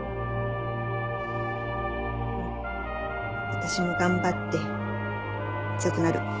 私も頑張って強くなる。